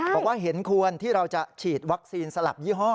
บอกว่าเห็นควรที่เราจะฉีดวัคซีนสลับยี่ห้อ